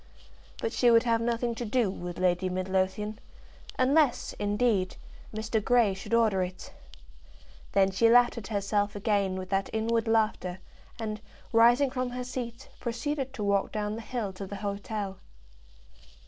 But she would have nothing to do with Lady Midlothian, unless, indeed, Mr. Grey should order it. Then she laughed at herself again with that inward laughter, and, rising from her seat, proceeded to walk down the hill to the hotel.